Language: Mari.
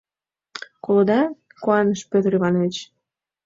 — Колыда? — куаныш Петр Иванович.